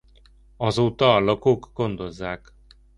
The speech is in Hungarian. Azóta a lakók gondozzák.